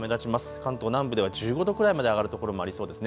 関東南部では１５度くらいまで上がる所もありそうですね。